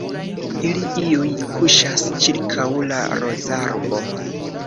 Ili iuj kuŝas ĉirkaŭ la rozarbo.